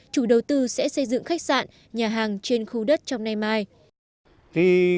chủ đầu tư sẽ xây dựng khách sạn nhà hàng trên khu đất trong nay mai